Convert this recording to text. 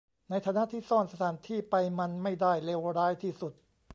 ในฐานะที่ซ่อนสถานที่ไปมันไม่ได้เลวร้ายที่สุด